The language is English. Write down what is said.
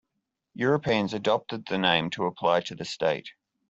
Europeans adopted the name to apply to the state.